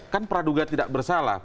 kan praduga tidak bersalah